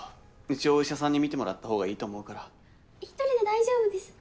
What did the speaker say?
一応お医者さんに診てもらった方がいいと思うから一人で大丈夫です